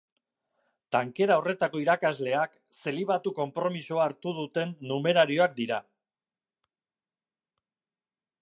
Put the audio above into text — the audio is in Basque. Tankera horretako irakasleak zelibatu konpromisoa hartu duten numerarioak dira.